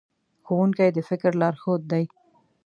ښوونکي د فکر لارښود دي.